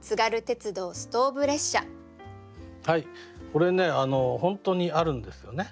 これね本当にあるんですよね。